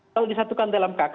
kalau disatukan dalam kk